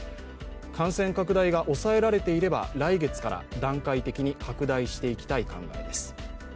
感染拡大が抑えられていれば、来月から段階的に拡大していきたい考えです。